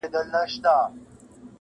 زکه جنت کې مې د اويا حورو سرداره نه وه